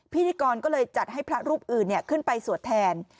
พิธีกรก็เลยจัดให้พระรูปอื่นขึ้นไปสวดแทน